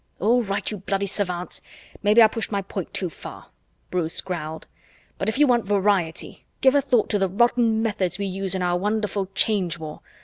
"All right, you bloody savants maybe I pushed my point too far," Bruce growled. "But if you want variety, give a thought to the rotten methods we use in our wonderful Change War.